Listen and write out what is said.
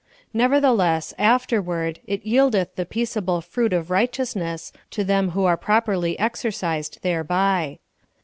Nevertheless, afterw^ard it yieldeth the peaceable fruit of righteousness to them bp:nkfits of temptation. 67 who are properly exercised thereby.